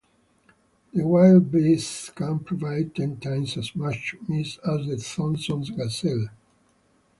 The wildebeest can provide ten times as much meat as the Thomson's gazelle.